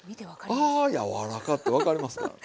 ああ柔らかって分かりますから。